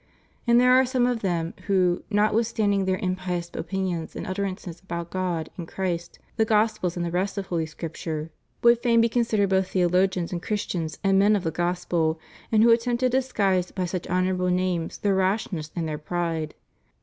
And there are some of them who, notwithstanding their impious opinions and utterances about God, and Christ, the Gospels and the rest of Holy Scripture, would fain be con sidered both theologians and Christians and men of the Gospel, and who attempt to disguise by such honorable names their rashness and their pride.